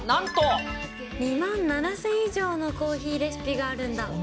２万７０００以上のコーヒーレシピがあるんだ。